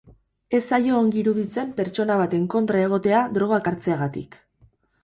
Ez zaio ongi iruditzen pertsona baten kontra egotea drogak hartzeagatik.